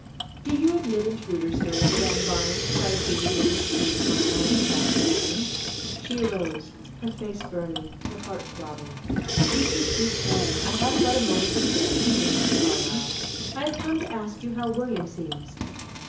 "Do you admit intruders here Madame Vine?" cried he, with his sweet smile, and attractive manner. She arose; her face burning, her heart throbbing. "Keep your seat, pray; I have but a moment to stay," said Mr. Carlyle. "I have come to ask you how William seems?"